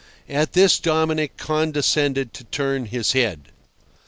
At this Dominic condescended to turn his head.